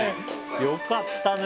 よかったね。